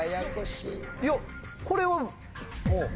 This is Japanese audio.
いやこれは。